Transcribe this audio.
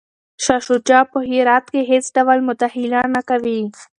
شاه شجاع به په هرات کي هیڅ ډول مداخله نه کوي.